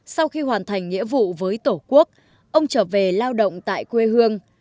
sau khi hoàn thành nghĩa vụ với tổ quốc ông trở về lao động tại quê hương